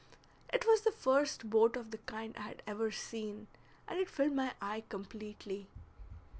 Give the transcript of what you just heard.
It was the first boat of the kind I had ever seen, and it filled my eye completely.